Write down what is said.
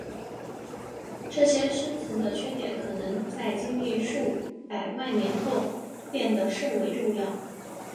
这些深层的缺点可能在经历数百万年后变得甚为重要。